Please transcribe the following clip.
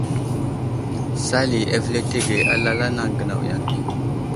Sali avəletege alal a anaŋ gənaw yaŋ ɗi.